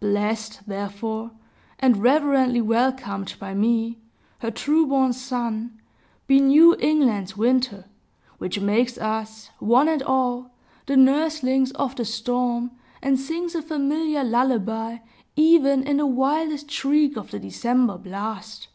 Blessed, therefore, and reverently welcomed by me, her true born son, be New England's winter, which makes us, one and all, the nurslings of the storm, and sings a familiar lullaby even in the wildest shriek of the December blast.